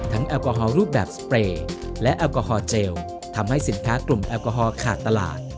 แอลกอฮอลรูปแบบสเปรย์และแอลกอฮอลเจลทำให้สินค้ากลุ่มแอลกอฮอล์ขาดตลาด